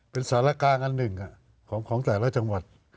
เป็นสารกลางอันหนึ่งของแต่ละจังหวัด